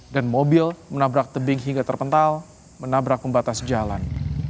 dan mobil menabrak tebing hingga terpental menabrak membatas jalan